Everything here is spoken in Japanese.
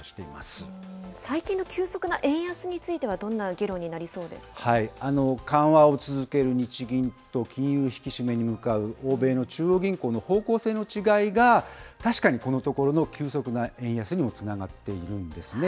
最近の急速な円安については緩和を続ける日銀と金融引き締めに向かう欧米の中央銀行の方向性の違いが、確かにこのところの急速な円安にもつながっているんですね。